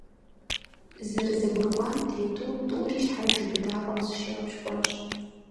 ЗэрызэгурыӀуам тету, тӀури щхьэж и быдапӀэм зыщигъэпщкӏуащ.